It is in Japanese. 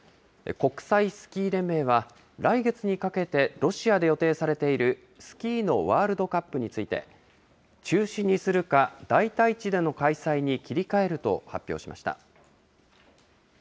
国際スキー連盟は、来月にかけてロシアで予定されているスキーのワールドカップについて、中止にするか、代替地での開催に切り替えると発表しました。